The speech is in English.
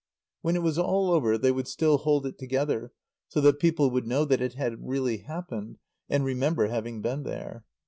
When it was all over they would still hold it together, so that people would know that it had really happened and remember having been there.